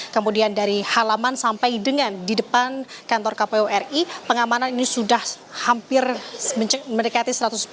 kemudian dari halaman sampai dengan di depan kantor kpu ri pengamanan ini sudah hampir mendekati satu ratus sepuluh